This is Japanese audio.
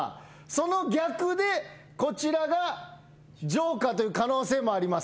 その逆でこちらがジョーカーという可能性もあります。